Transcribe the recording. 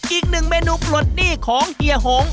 อีกหนึ่งเมนูปลดหนี้ของเฮียหง